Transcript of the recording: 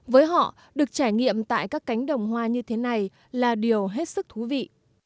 với họ được trải nghiệm tại các cánh đồng hoa như thế này là điều hết sức thú vị